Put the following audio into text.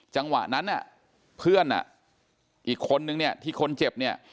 จังหวะนั้นเพื่อนอีกคนนึงเนี่ยที่คนเจ็บเนี่ย